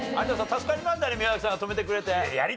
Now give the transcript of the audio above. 助かりましたね宮崎さんが止めてくれて。